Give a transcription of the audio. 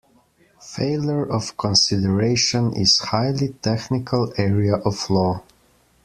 Failure of consideration is a highly technical area of law.